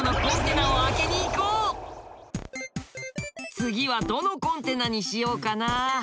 次はどのコンテナにしようかな。